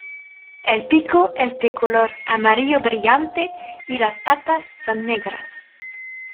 El pico es de color amarillo brillante y las patas son negras.